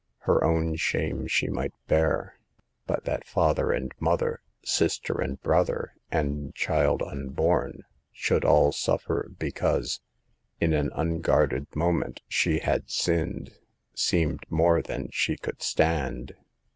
Her own shame she might bear ; but that father and mother, sister and brother, and child unborn, should all suffer because, in an unguarded moment, she had sinned, seemed more than she could stand.